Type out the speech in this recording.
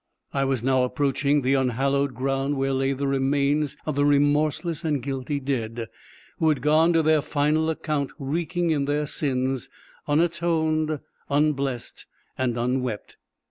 I was now approaching the unhallowed ground where lay the remains of the remorseless and guilty dead, who had gone to their final account, reeking in their sins, unatoned, unblest and unwept.